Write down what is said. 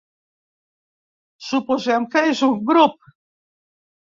Suposem que és un grup.